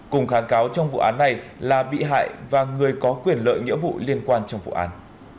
cùng kháng cáo trong vụ án này là bị hại và người có quyền lợi nghĩa vụ liên quan trong vụ án